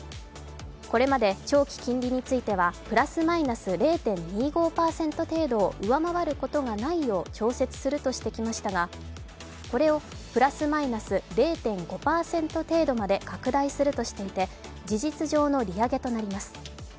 これまで長期金利についてはプラスマイナス０．２５％程度を上回ることがないよう調節するとしてきましたが、これをプラスマイナス０．５％程度まで拡大するとしていて事実上の利上げとなります。